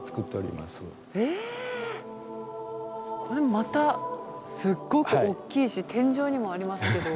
これまたすっごく大きいし天井にもありますけど。